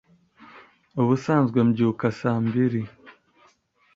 Ubusanzwe mbyuka saa mbiri.